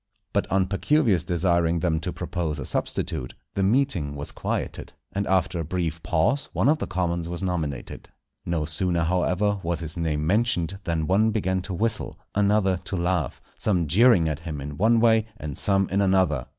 But on Pacuvius desiring them to propose a substitute, the meeting was quieted, and after a brief pause one of the commons was nominated. No sooner, however, was his name mentioned than one began to whistle, another to laugh, some jeering at him in one way and some in another.